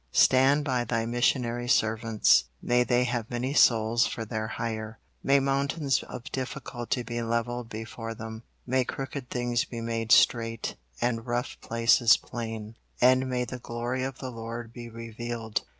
Stand by Thy missionary servants. May they have many souls for their hire. May mountains of difficulty be levelled before them; may crooked things be made straight and rough places plain, and may the glory of the Lord be revealed.